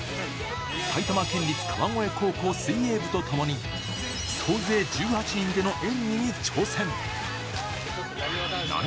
埼玉県立川越高校水泳部と共に、総勢１８人での演技に挑戦。